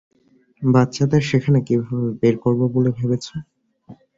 বাচ্চাদের সেখান থেকে কীভাবে বের করবো বলে ভেবেছো?